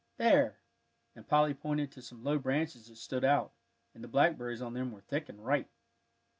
There," and Polly pointed to some low branches that stood out; and the blackberries on them were thick and ripe.